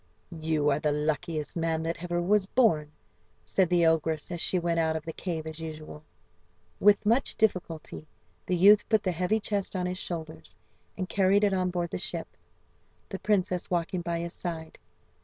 "You are the luckiest man that ever was born," said the ogress as she went out of the cave as usual. With much difficulty the youth put the heavy chest on his shoulders and carried it on board the ship, the princess walking by his side.